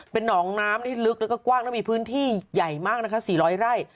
เป็นหนองน้ำที่ลึกแล้วก็กว้างแล้วมีพื้นที่ใหญ่มากนะคะ๔๐๐ไร่